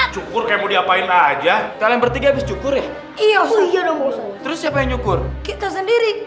cukur kemudian apa aja kalian bertiga habis cukur ya iya terus siapa yang cukur kita sendiri